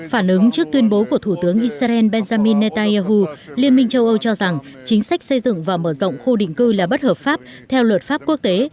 phản ứng trước tuyên bố của thủ tướng israel benjamin netanyahu liên minh châu âu cho rằng chính sách xây dựng và mở rộng khu định cư là bất hợp pháp theo luật pháp quốc tế